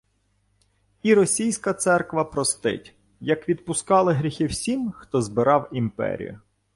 І Російська церква простить, як відпускала гріхи всім, хто «збирав» імперію